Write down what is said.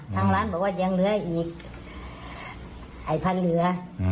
ทางร้านบอกว่ายังเหลืออีกไอ้พันเหลือ